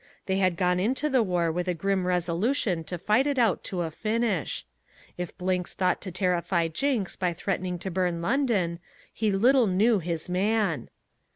They had gone into the war with a grim resolution to fight it out to a finish. If Blinks thought to terrify Jinks by threatening to burn London, he little knew his man.